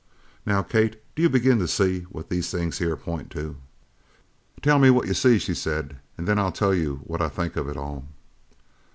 Now, Kate, do you begin to see what these here things point to?" "Tell me what you see," she said, "and then I'll tell you what I think of it all."